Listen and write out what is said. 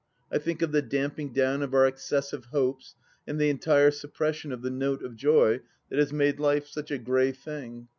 I think of the damping down of our excessive hopes, and the entire suppression of the note of joy that has made Life such a grey thing.